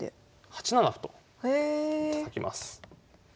８七歩とたたきます。